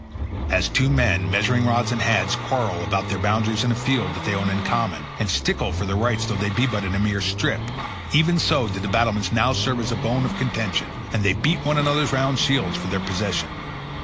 As two men, measuring rods in hand, quarrel about their boundaries in a field that they own in common, and stickle for their rights though they be but in a mere strip, even so did the battlements now serve as a bone of contention, and they beat one another's round shields for their possession.